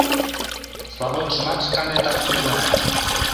— Сравочшымат шканетак пуэна.